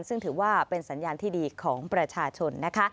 ซึ่งถือว่าเป็นสัญญาณที่ดีของประชาชนนะคะ